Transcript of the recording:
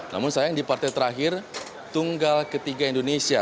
namun sayang di partai terakhir tunggal ketiga indonesia